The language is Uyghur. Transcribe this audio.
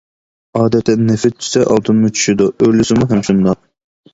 ئادەتتە نېفىت چۈشسە ئالتۇنمۇ چۈشىدۇ، ئۆرلىسىمۇ ھەم شۇنداق.